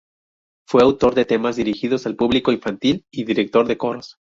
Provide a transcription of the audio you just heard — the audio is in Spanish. Fue autor de temas dirigidos al público infantil y director de coros.